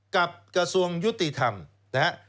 กระทรวงยุติธรรมนะฮะ